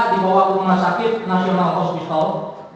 dibawa ke rumah sakit nasional hospital